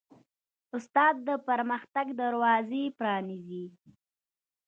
استاد د پرمختګ دروازې پرانیزي.